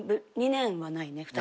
２年はないね